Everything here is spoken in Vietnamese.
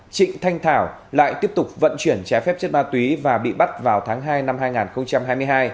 trịnh thanh thảo lại tiếp tục vận chuyển trái phép chất ma túy và bị bắt vào tháng hai năm hai nghìn hai mươi hai